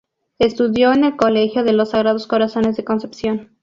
Estudió en el Colegio de los Sagrados Corazones de Concepción.